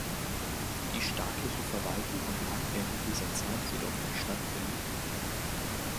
Die staatliche Verwaltung oblag während dieser Zeit jedoch der Stadt Villingen.